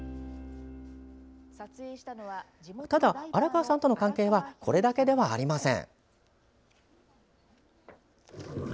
ただ、荒川さんとの関係はこれだけではありません。